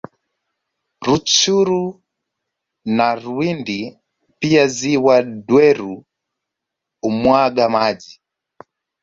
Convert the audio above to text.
Rutshuru na Rwindi Pia ziwa Dweru humwaga maji